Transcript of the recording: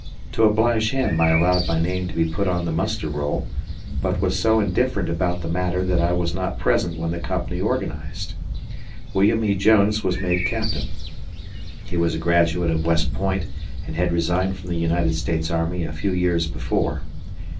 To oblige him I allowed my name to be put on the muster roll; but was so indifferent about the matter that I was not present when the company organized. William E. Jones was made captain. He was a graduate of West Point and had resigned from the United States army a few years before.